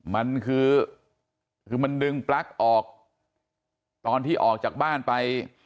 มันคือคือมันดึงปลั๊กออกตอนที่ออกจากบ้านไป